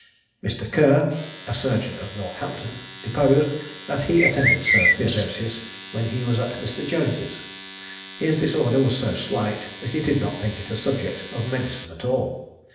Mr. Kerr, surgeon of Northampton, deposed, that he attended Sir Theodosius when he was at Mr. Jones's. His disorder was so slight that he did not think it a subject of medicine at all.